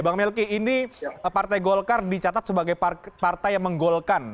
bang melki ini partai golkar dicatat sebagai partai yang menggolkan